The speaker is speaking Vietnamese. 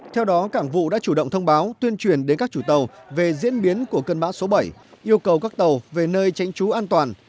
theo đó cảng vụ đã chủ động thông báo tuyên truyền đến các chủ tàu về diễn biến của cơn bão số bảy yêu cầu các tàu về nơi tránh trú an toàn